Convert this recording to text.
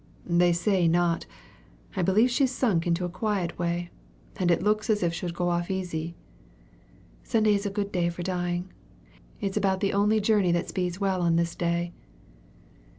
"They say not. I believe she's sunk into a quiet way; and it looks as if she'd go off easy." "Sunday is a good day for dying it's about the only journey that speeds well on this day!"